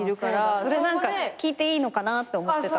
それ聞いていいのかなって思ってた。